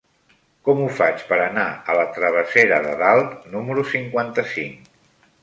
Com ho faig per anar a la travessera de Dalt número cinquanta-cinc?